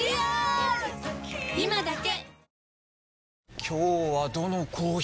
今だけ！